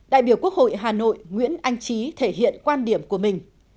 đại biểu quốc hội hà nội nguyễn anh trí thể hiện quan điểm của mình